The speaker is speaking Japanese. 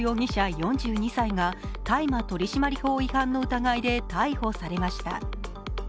４２歳が大麻取締法違反の疑いで逮捕されました。